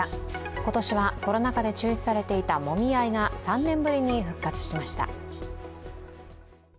今年はコロナ禍で中止されていたもみ合いが３年ぶりに復活しました。